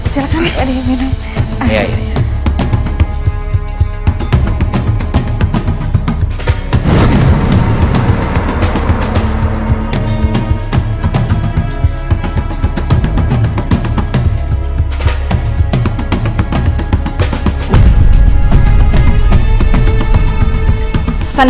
silahkan di minum